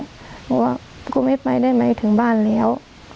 บอกว่ากูไม่ไปได้ไหมถึงบ้านแล้ว